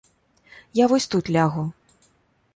Я вось тут лягу.